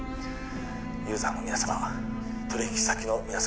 ユーザーの皆様取引先の皆様